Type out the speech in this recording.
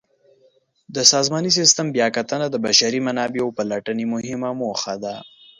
د سازماني سیسټم بیاکتنه د بشري منابعو پلټنې مهمه موخه ده.